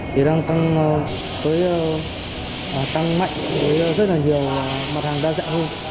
thì đang tăng mạnh với rất là nhiều mặt hàng đa dạng hơn